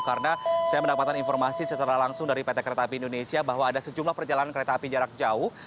karena saya mendapatkan informasi secara langsung dari pt kereta api indonesia bahwa ada sejumlah perjalanan kereta api jarak jauh